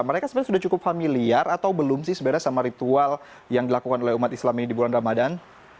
mereka sebenarnya sudah cukup familiar atau belum sih sebenarnya sama ritual yang dilakukan oleh umat islam ini di bulan ramadan